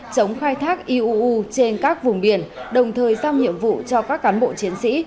chống khai thác iuu trên các vùng biển đồng thời giao nhiệm vụ cho các cán bộ chiến sĩ